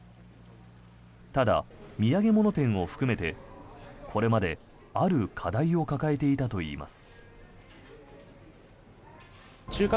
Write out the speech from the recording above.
ただ、土産物店を含めてこれまで、ある課題を抱えていたといいます。